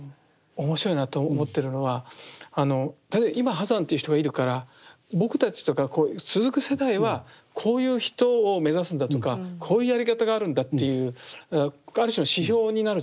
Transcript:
面白いなと思ってるのは今波山っていう人がいるから僕たちとかこういう続く世代はこういう人を目指すんだとかこういうやり方があるんだっていうある種の指標になるじゃないですか。